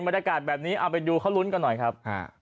บรรยากาศแบบนี้เอาไปดูเขาลุ้นกันหน่อยครับ